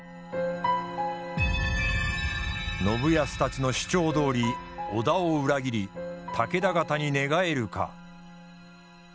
信康たちの主張どおり織田を裏切り武田方に寝返るか。